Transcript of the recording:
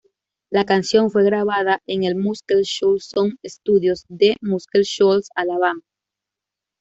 La canción fue grabada en el Muscle Shoals Sound Studios de Muscle Shoals, Alabama.